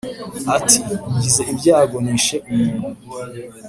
ati «ngize ibyago nishe umuntu;